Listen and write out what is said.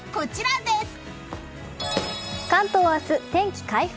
関東は明日、天気回復。